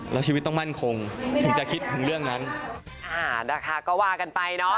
แล้วชีวิตต้องมั่นคงถึงจะคิดถึงเรื่องนั้น